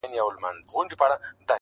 نو ایله یې له کوټې څخه بهر کړ.!